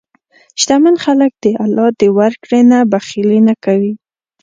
شتمن خلک د الله د ورکړې نه بخیلي نه کوي.